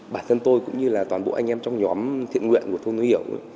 bản thân tôi cũng như là toàn bộ anh em trong nhóm thiện nguyện của thôn nguyễn hiểu